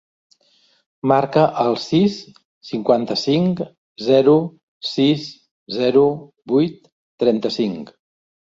Marca el sis, cinquanta-cinc, zero, sis, zero, vuit, trenta-cinc.